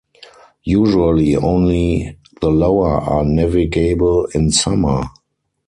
Usually only the lower are navigable in summer.